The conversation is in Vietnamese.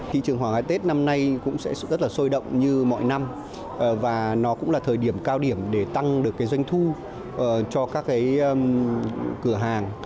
thị trường hoàng cái tết năm nay cũng sẽ rất là sôi động như mọi năm và nó cũng là thời điểm cao điểm để tăng được doanh thu cho các cái cửa hàng